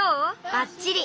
ばっちり！